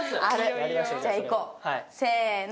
じゃあいこうせの！